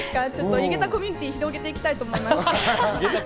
井桁コミュニティーを広げていきたいと思います。